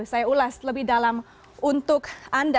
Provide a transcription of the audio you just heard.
saya ulas lebih dalam untuk anda